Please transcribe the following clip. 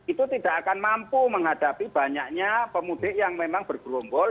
itu tidak akan mampu menghadapi banyaknya pemudik yang memang bergerombol